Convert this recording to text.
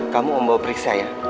kamu mau bawa periksa ya